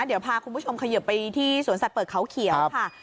เดี๋ยวพาคุณผู้ชมขยิบไปที่สวนสัตว์เปิดเขาเขียวค่ะ